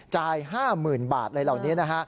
จ่าย๕๐๐๐๐บาทเลยเหล่านี้นะฮะ